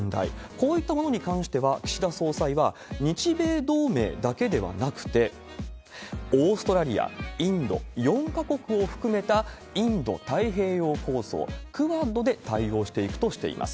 こういったものに関しては、岸田総裁は日米同盟だけではなくて、オーストラリア、インド、４か国を含めたインド太平洋構想、クアッドで対応していくとしています。